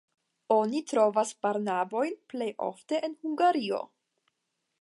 Oni trovas Barnabojn plej ofte en Hungario.